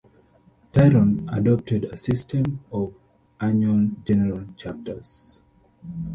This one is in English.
Tiron adopted a system of annual general chapters.